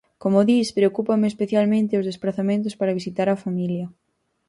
Como dis, preocupan especialmente os desprazamentos para visitar a familia.